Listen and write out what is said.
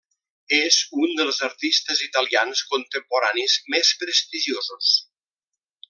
És un dels artistes italians contemporanis més prestigiosos.